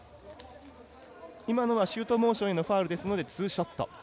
今のはシュートモーションへのファウルですのでツーショット。